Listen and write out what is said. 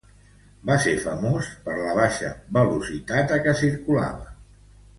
Va ser famós per la baixa velocitat a què circulava.